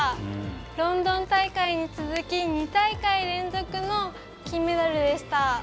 ロンドン大会に続き２大会連続の金メダルでした。